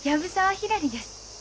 ひらりです。